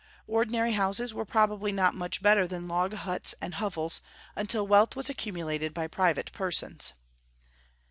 Ordinary houses were probably not much better than log huts and hovels, until wealth was accumulated by private persons.